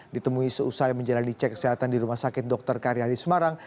ditemui seusai menjalani cek kesehatan di rumah sakit dr karyadi semarang